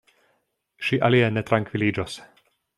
Ŝi alie ne trankviliĝos.